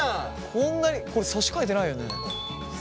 こんなにこれ差し替えてないよね？